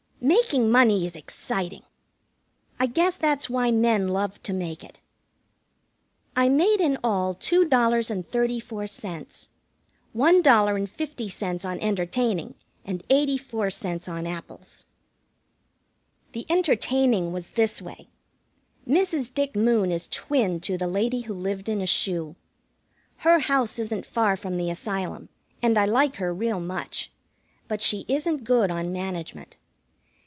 Making money is exciting. I guess that's why men love to make it. I made in all $2.34. One dollar and fifty cents on entertaining, and eighty four cents on apples. The entertaining was this way. Mrs. Dick Moon is twin to the lady who lived in a shoe. Her house isn't far from the Asylum, and I like her real much; but she isn't good on management.